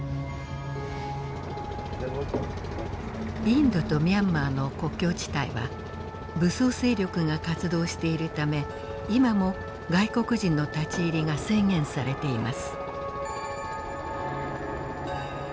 インドとミャンマーの国境地帯は武装勢力が活動しているため今も外国人の立ち入りが制限されています。